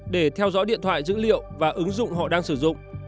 để theo dõi điện thoại dữ liệu và ứng dụng họ đang sử dụng